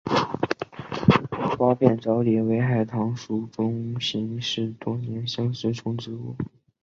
苞片狸藻为狸藻属中型似多年生食虫植物。